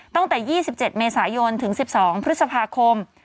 ตั้งแต่๒๗เมษายนถึง๑๒พฤษภาคม